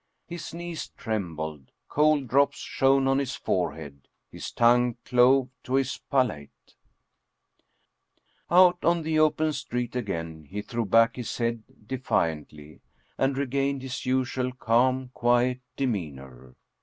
His knees trembled, cold drops shone on his forehead, his tongue clove to his palate. Out on the open street again he threw back his head defiantly, and regained his usual calm, quiet demeanor.